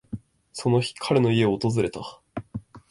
その日、彼の家を訪れた。